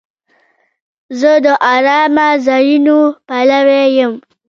زه د آرامه ځایونو پلوی یم.